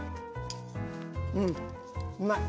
うんうまい！